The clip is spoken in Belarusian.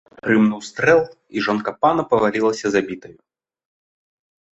Грымнуў стрэл, і жонка пана павалілася забітаю.